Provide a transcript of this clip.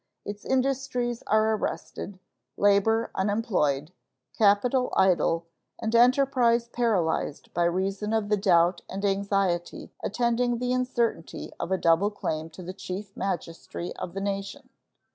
Its industries are arrested, labor unemployed, capital idle, and enterprise paralyzed by reason of the doubt and anxiety attending the uncertainty of a double claim to the Chief Magistracy of the nation.